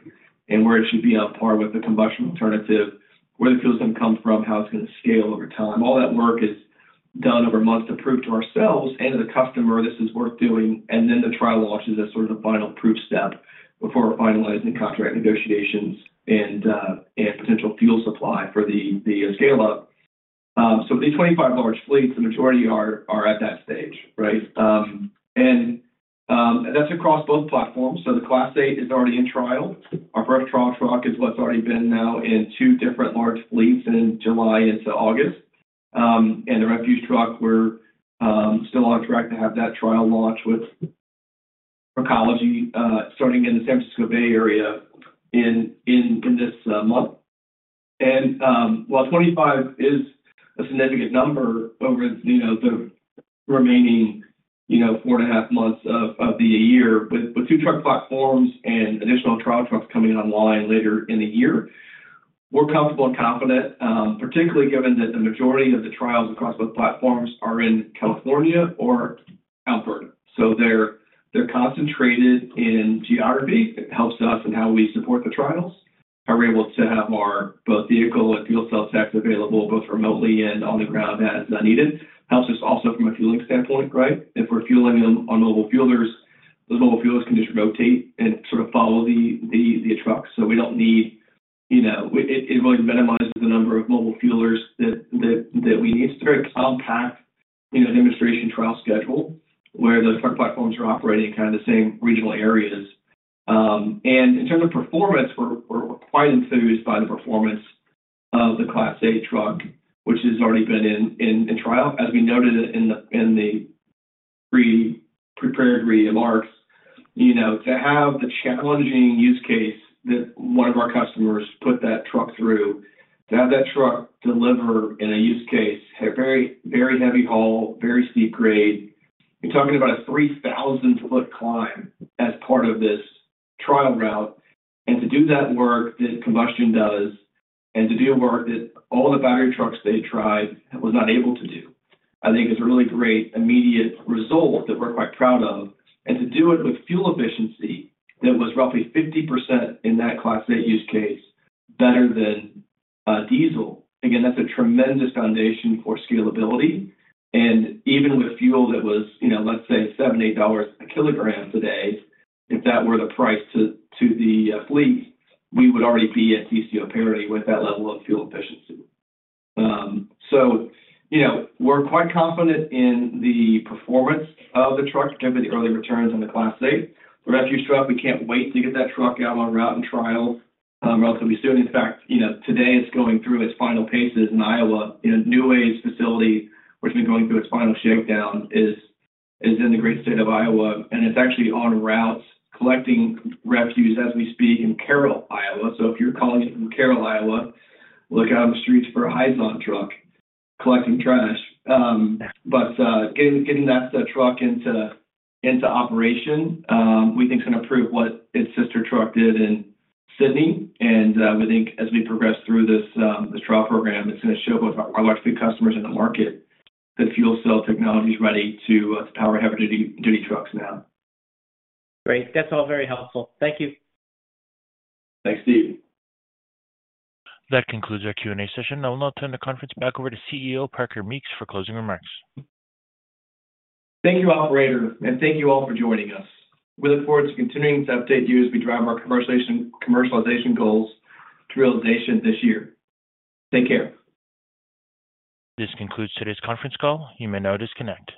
[SPEAKER 3] and where it should be on par with the combustion alternative, where the fuel's gonna come from, how it's gonna scale over time. All that work is done over months to prove to ourselves and to the customer this is worth doing, and then the trial launch is a sort of a final proof step before finalizing contract negotiations and potential fuel supply for the, the scale-up. So these 25 large fleets, the majority are at that stage, right? And, that's across both platforms. So the Class 8 is already in trial. Our first trial truck is what's already been now in two different large fleets in July into August. And the refuse truck, we're, still on track to have that trial launch with Recology, starting in the San Francisco Bay Area in this, month. While 25 is a significant number over, you know, the remaining, you know, 4.5 months of the year, with two truck platforms and additional trial trucks coming online later in the year, we're comfortable and confident, particularly given that the majority of the trials across both platforms are in California or California. So they're concentrated in geography. It helps us in how we support the trials, how we're able to have our both vehicle and fuel cell stacks available, both remotely and on the ground as needed. Helps us also from a fueling standpoint, right? If we're fueling them on mobile fuelers, those mobile fuelers can just rotate and sort of follow the trucks. So we don't need, you know... It really minimizes the number of mobile fuelers that we need. It's very compact in a demonstration trial schedule, where those truck platforms are operating in kind of the same regional areas. And in terms of performance, we're quite enthused by the performance of the Class 8 truck, which has already been in trial. As we noted it in the pre-prepared remarks, you know, to have the challenging use case that one of our customers put that truck through, to have that truck deliver in a use case, a very, very heavy haul, very steep grade, you're talking about a 3,000-foot climb as part of this trial route. And to do that work that combustion does, and to do a work that all the battery trucks they tried was not able to do, I think is a really great immediate result that we're quite proud of. To do it with fuel efficiency, that was roughly 50% in that Class 8 use case, better than diesel. Again, that's a tremendous foundation for scalability, and even with fuel that was, you know, let's say $7-$8 a kilogram today, if that were the price to the fleet, we would already be at TCO parity with that level of fuel efficiency. So, you know, we're quite confident in the performance of the truck, given the early returns on the Class 8. The refuse truck, we can't wait to get that truck out on route and trial, relatively soon. In fact, you know, today it's going through its final paces in Iowa. In a New Way facility, which been going through its final shakedown, is in the great state of Iowa, and it's actually on routes, collecting refuse as we speak in Carroll, Iowa. So if you're calling from Carroll, Iowa, look out on the streets for a Hyzon truck collecting trash. But getting that truck into operation, we think is gonna prove what its sister truck did in Sydney. And we think as we progress through this trial program, it's gonna show both our large fleet customers in the market that fuel cell technology is ready to power heavy duty trucks now.
[SPEAKER 6] Great. That's all very helpful. Thank you.
[SPEAKER 3] Thanks, Steve.
[SPEAKER 1] That concludes our Q&A session. I'll now turn the conference back over to CEO Parker Meeks for closing remarks.
[SPEAKER 3] Thank you, operator, and thank you all for joining us. We look forward to continuing to update you as we drive our commercialization, commercialization goals to realization this year. Take care.
[SPEAKER 1] This concludes today's conference call. You may now disconnect.